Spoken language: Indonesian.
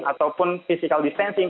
ataupun physical distancing